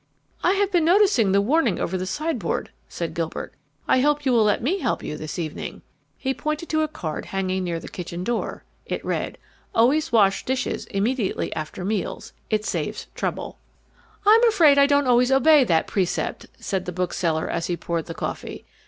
"I have been noticing the warning over the sideboard," said Gilbert. "I hope you will let me help you this evening?" He pointed to a card hanging near the kitchen door. It read: ALWAYS WASH DISHES IMMEDIATELY AFTER MEALS IT SAVES TROUBLE "I'm afraid I don't always obey that precept," said the bookseller as he poured the coffee.